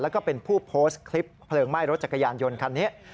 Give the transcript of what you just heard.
แล้วก็เป็นผู้โพสต์คลิปเพลิงไหม้รถจักรยานยนต์คันนี้